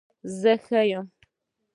زه ښه يم